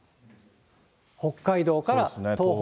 北海道から東北。